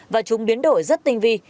và chúng biến đổi rất tinh vi